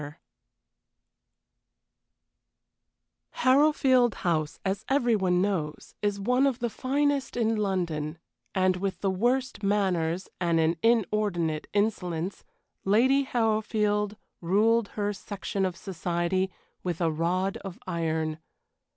XIX Harrowfield House, as every one knows, is one of the finest in London; and with the worst manners, and an inordinate insolence, Lady Harrowfield ruled her section of society with a rod of iron.